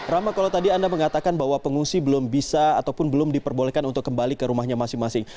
rama kalau tadi anda mengatakan bahwa pengungsi belum bisa ataupun belum diperbolehkan untuk kembali ke rumahnya masing masing